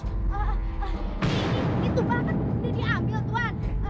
tumba kan udah diambil tuhan